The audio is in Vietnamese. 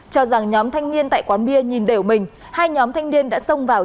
cho rằng nhóm thanh niên tại quán bia nhìn đều mình hai nhóm thanh niên đã xông vào